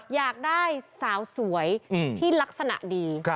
อยากได้สาวสวยที่ลักษณะดี